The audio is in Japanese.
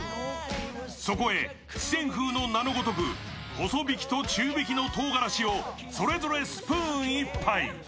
そこへ四川風の名のごとく、細びきと中びきのとうがらしをそれぞれスプーン１杯。